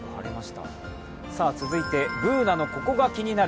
続いて、Ｂｏｏｎａの「ココがキニナル」